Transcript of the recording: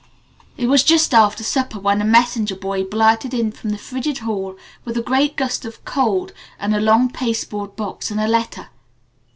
It was just after supper when a messenger boy blurted in from the frigid hall with a great gust of cold and a long pasteboard box and a letter.